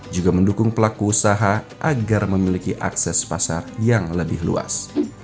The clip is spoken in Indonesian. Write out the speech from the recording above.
juga mendukung pelaku usaha agar memiliki akses pasar yang lebih luas